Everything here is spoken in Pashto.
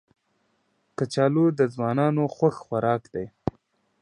کچالو د ځوانانو خوښ خوراک دی